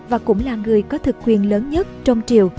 và cũng là người có thực quyền lớn nhất trong triều